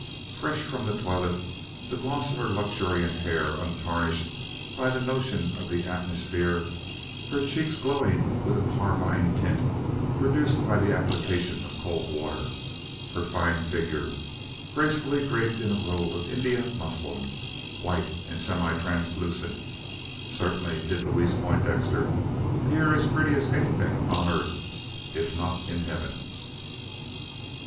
Fresh from the toilette, the gloss of her luxuriant hair untarnished by the notion of the atmosphere; her cheeks glowing with a carmine tint, produced by the application of cold water; her fine figure, gracefully draped in a robe of India muslin white and semi translucent certainly did Louise Poindexter appear as pretty as anything upon earth if not in heaven.